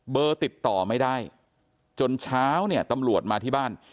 ติดต่อไม่ได้จนเช้าเนี่ยตำรวจมาที่บ้าน